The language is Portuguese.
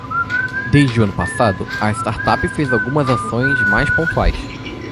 Desde o ano passado a startup fez algumas ações mais pontuais